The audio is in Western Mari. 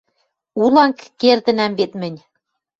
Уланг кердӹнӓм вет мӹнь.